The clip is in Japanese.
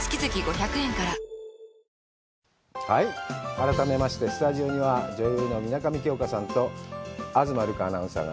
改めまして、スタジオには女優の水上京香さんと東留伽アナウンサーが。